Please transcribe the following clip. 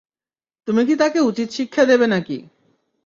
তুমি কি তাকে উচিত শিক্ষা দেবে নাকি?